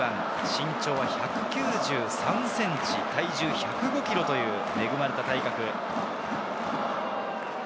身長１９３ｃｍ、体重１０５ｋｇ、恵まれた体格です。